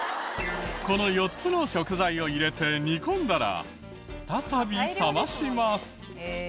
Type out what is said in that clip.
この４つの食材を入れて煮込んだら再び冷まします。